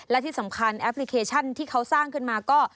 และที่สำคัญแอปพลิเคชันที่เขาสร้างขึ้นมาก็